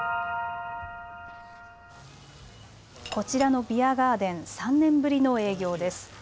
こちらのビアガーデン、３年ぶりの営業です。